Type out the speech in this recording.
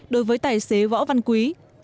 đối với tài xế võ văn quý